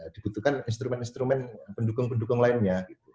dibutuhkan instrumen instrumen pendukung pendukung lainnya